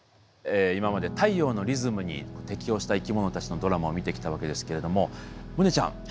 今まで太陽のリズムに適応した生き物たちのドラマを見てきたわけですけれども萌音ちゃん。